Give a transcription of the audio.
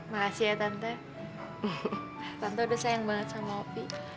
makasih ya tante tante udah sayang banget sama opi